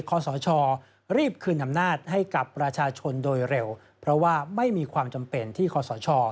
ขอสชรีบคืนอำนาจให้กับประชาชนโดยเร็วเพราะว่าไม่มีความจำเป็นที่คอสช